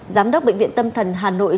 giám đốc bệnh viện tâm thần hà nội